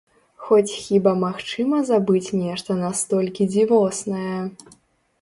Хоць хіба магчыма забыць нешта настолькі дзівоснае?